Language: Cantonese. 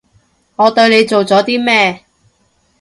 我對你做咗啲咩？